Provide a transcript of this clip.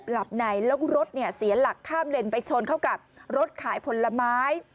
หลับในแล้วรถเนี่ยเสียหลักข้ามเลนไปชนเข้ากับรถขายผลไม้